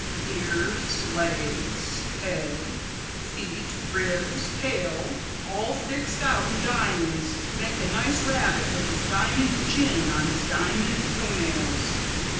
"Ears, legs, head, feet, ribs, tail, all fixed out in diamonds to make a nice rabbit with his diamond chin on his diamond toenails.